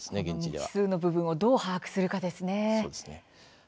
未知数の部分をどう把握するかですね。